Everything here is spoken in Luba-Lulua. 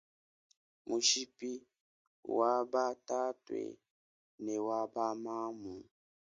Mushipi wa ba tatue ne wa ba mamu.